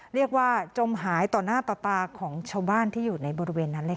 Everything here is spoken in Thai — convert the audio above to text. จมหายต่อหน้าต่อตาของชาวบ้านที่อยู่ในบริเวณนั้นเลยค่ะ